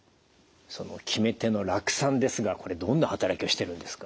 その決め手の酪酸ですがこれどんな働きをしてるんですか？